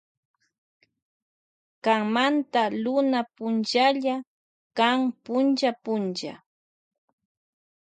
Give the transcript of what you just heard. Kanmanta Luna punchalla kan punlla punlla.